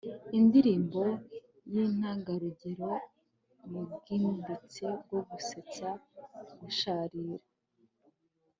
Indirimbo yintangarugero mubwimbitse bwo gusetsa gusharira